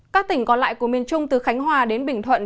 các tỉnh còn lại của miền trung từ khánh hòa đến bình thuận